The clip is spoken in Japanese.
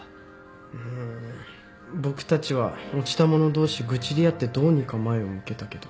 うーん僕たちは落ちた者同士愚痴り合ってどうにか前を向けたけど。